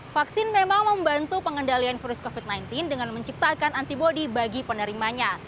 vaksin memang membantu pengendalian virus covid sembilan belas dengan menciptakan antibody bagi penerimanya